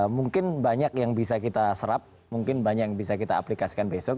mungkin banyak yang bisa kita serap mungkin banyak yang bisa kita aplikasikan besok